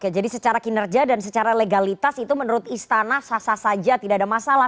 jadi secara kinerja dan secara legalitas itu menurut istana sasar saja tidak ada masalah